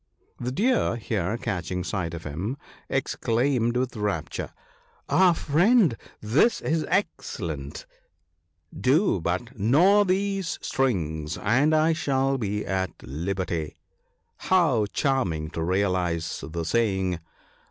The Deer, here catching sight of him, ex claimed with rapture, " Ah, friend, this is excellent ! Do but gnaw these strings, and I shall be at liberty. How charming to realize the saying